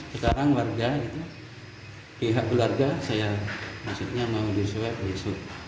sekarang warga pihak keluarga saya maksudnya mau disuap disub